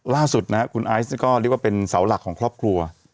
ล่าสุดนะครับคุณไอซ์นี่ก็เรียกว่าเป็นเสาหลักของครอบครัว